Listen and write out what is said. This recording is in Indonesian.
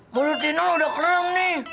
menurut tino udah kering nih